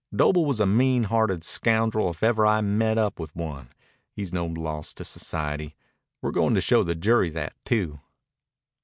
Doble was a mean hearted scoundrel if ever I met up with one. He's no loss to society. We're goin' to show the jury that too."